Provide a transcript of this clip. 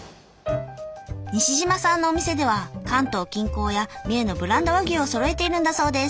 西島さんのお店では関東近郊や三重のブランド和牛をそろえているんだそうです。